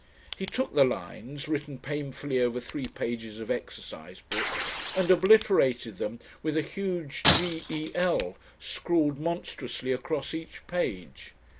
He took the "lines," written painfully over three pages of exercise book, and obliterated them with a huge G.E.L., scrawled monstrously across each page.